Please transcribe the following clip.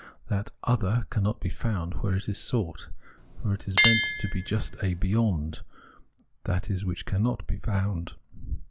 That " other " cannot be foimd where it is sought ; for it is meant to be just a " beyond," that which can not be found.